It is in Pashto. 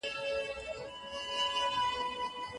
پیاز دي وي په نیاز دي وي.